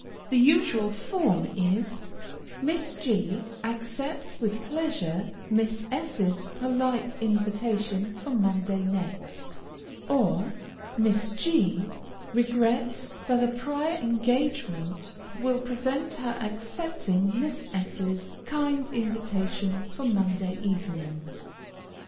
The usual form is: Miss G accepts with pleasure Miss S 's polite invitation for Monday next; or, _Miss G regrets that a prior engagement will prevent her accepting Miss S 's kind invitation for Monday evening.